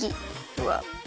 うわっ。